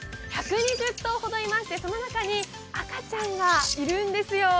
１２０頭ほどいまして、その中に赤ちゃんがいるんですよ。